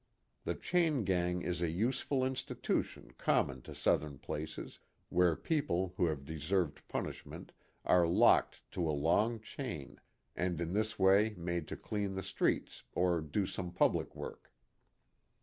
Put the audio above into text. The chain gang is a useful institution common to southern A PICNIC NEAR THE EQUATOR. 73 places, where people who have deserved pun ishment are locked to a long chain, and in this way made to clean the streets or do some pub lic work.